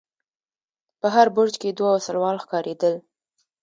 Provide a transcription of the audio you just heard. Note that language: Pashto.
په هر برج کې دوه وسلوال ښکارېدل.